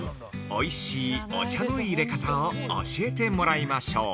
おいしいお茶の入れ方を教えてもらいましょう。